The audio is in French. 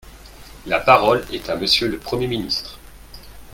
La parole est à Monsieur le Premier ministre.